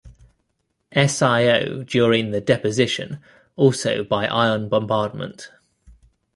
SiO during the deposition also by ion bombardment.